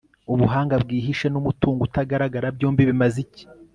ubuhanga bwihishe n'umutungo utagaragara, byombi bimaze iki